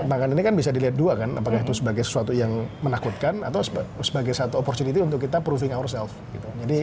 bahkan ini kan bisa dilihat dua kan apakah itu sebagai sesuatu yang menakutkan atau sebagai satu opportunity untuk kita proving ourself gitu